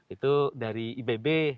itu dari ibb